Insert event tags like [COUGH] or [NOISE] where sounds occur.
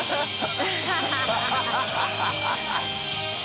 ハハハ [LAUGHS] ））